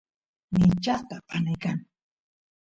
michasqa panay kan